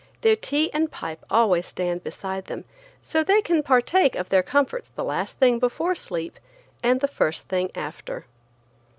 Their tea and pipe always stand beside them, so they can partake of their comforts the last thing before sleep and the first thing after.